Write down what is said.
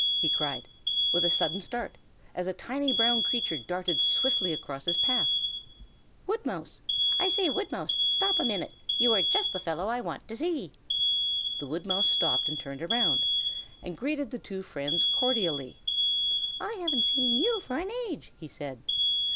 he cried with a sudden start, as a tiny brown creature darted swiftly across the path. "Woodmouse! I say, Woodmouse! stop a minute; you are just the fellow I want to see." The woodmouse stopped and turned round, and greeted the two friends cordially. "I haven't seen you for an age!" he said.